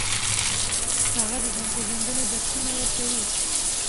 هغه د ځان پیژندنې درسونه ورکوي.